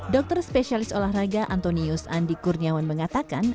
dokter spesialis olahraga antonius andi kurniawan mengatakan